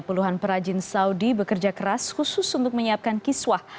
puluhan perajin saudi bekerja keras khusus untuk menyiapkan kiswah